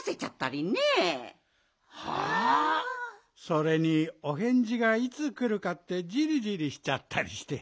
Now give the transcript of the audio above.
それにおへんじがいつくるかってじりじりしちゃったりして。